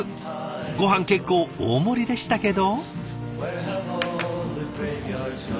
ごはん結構大盛りでしたけど。